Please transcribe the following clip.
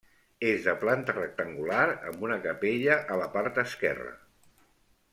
És de planta rectangular amb una capella a la part esquerra.